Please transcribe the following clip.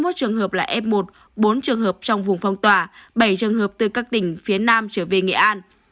hai mươi một trường hợp là f một bốn trường hợp trong vùng phong tỏa bảy trường hợp từ các tỉnh phía nam trở về nghệ an